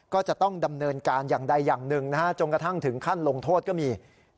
ก็จะต้องดำเนินการอย่างใดอย่างหนึ่งจนกระทั่งถึงขั้นลงโทษก็มี